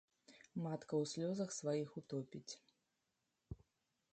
Матка ў слёзах сваіх утопіць.